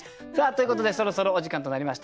ということでそろそろお時間となりました。